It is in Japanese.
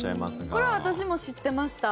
これは私も知ってました。